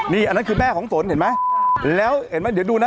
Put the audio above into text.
นี่อันนั้นคือแม่ของฝนเห็นไหมแล้วเห็นไหมเดี๋ยวดูนะ